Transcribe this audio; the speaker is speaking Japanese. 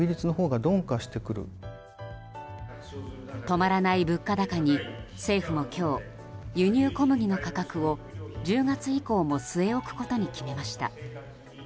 止まらない物価高に政府も今日、輸入小麦の価格を１０月以降も据え置くことに決めました。